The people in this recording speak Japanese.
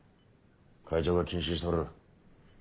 会長が禁止しとる。